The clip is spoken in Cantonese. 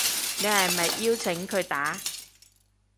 你係咪邀請佢打